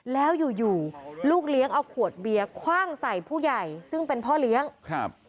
แล้วอยู่อยู่ลูกเลี้ยงเอาขวดเบียร์คว่างใส่ผู้ใหญ่ซึ่งเป็นพ่อเลี้ยงครับ